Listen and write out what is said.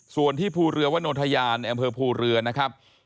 ส่วนที่ภูเรือวโนทยานอำเภอภูเรือนะครับ